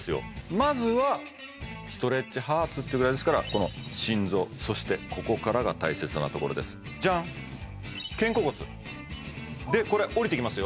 まずはストレッチハーツっていうぐらいですからこの心臓そしてここからが大切なところですじゃんでこれ下りてきますよ